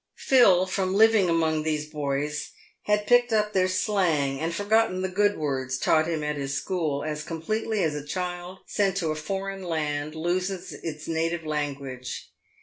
Phil, from living among these boys, had picked up their slang, and forgotten the u good words" taught him at his school as completely as a child sent to a foreign land loses its native language.